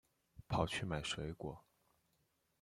跑去买水果